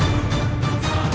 aku akan menang